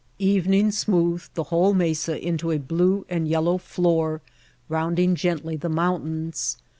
Evening smoothed the whole mesa into a blue and yellow floor rounding gently the mountains.